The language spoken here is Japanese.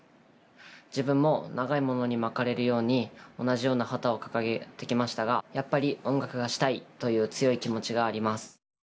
自分も長いものに巻かれるように同じような旗を掲げてきましたがやっぱり音楽がしたいという強い気持ちがあります。